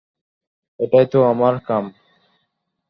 এটাই তো আমার কাম।